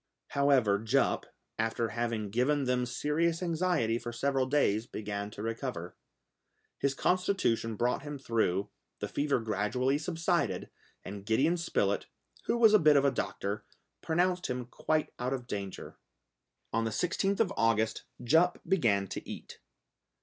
However Jup, after having given them serious anxiety for several days, began to recover. His constitution brought him through, the fever gradually subsided, and Gideon Spilett, who was a bit of a doctor, pronounced him quite out of danger. On the 16th of August, Jup began to eat.